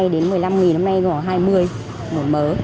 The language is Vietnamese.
một mươi hai đến một mươi năm nghìn hôm nay gọi hai mươi gọi mớ